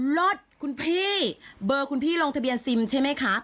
รถคุณพี่เบอร์คุณพี่ลงทะเบียนซิมใช่ไหมคะ